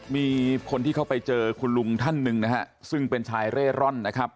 มีคนที่เขาไปเจอคุณลุงท่านหนึ่งนะฮะซึ่งเป็นชายเร่ร่อนนะครับ